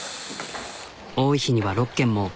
多い日には６件も。